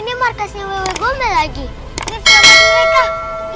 ditangkep apa wewe gombel aduh pak rete